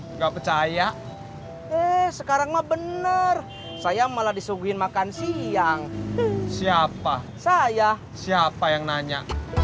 nggak percaya eh sekarang mah bener saya malah disuguhin makan siang siapa saya siapa yang nanya